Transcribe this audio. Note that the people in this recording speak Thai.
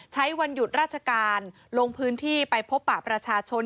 วันหยุดราชการลงพื้นที่ไปพบปะประชาชน